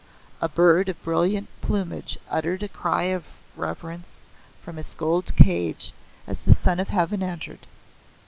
A bird of brilliant plumage uttered a cry of reverence from its gold cage as the Son of Heaven entered.